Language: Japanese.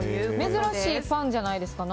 珍しいパンじゃないですか。